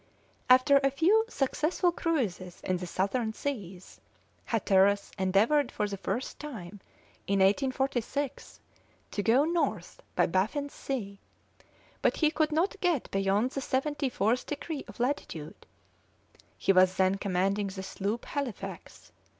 After a few successful cruises in the Southern seas, Hatteras endeavoured for the first time, in 1846, to go north by Baffin's Sea; but he could not get beyond the seventy fourth degree of latitude; he was then commanding the sloop Halifax.